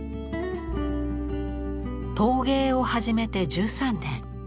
陶芸を始めて１３年。